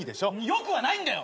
よくはないんだよ！